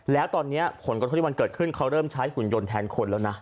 แล้วตอนนี้ผลกระทบที่มันเกิดขึ้นเขาเริ่มใช้หุ่นยนต์แทนคนแล้วนะ